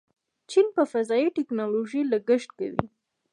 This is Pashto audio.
چین په فضایي ټیکنالوژۍ لګښت کوي.